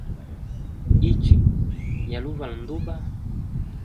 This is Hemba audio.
Ichwi yali uvala nduba.